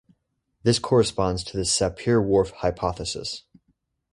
This corresponds to the Sapir-Whorf Hypothesis.